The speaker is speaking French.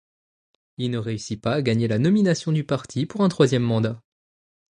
Il ne réussit pas à gagner la nomination du parti pour un troisième mandat.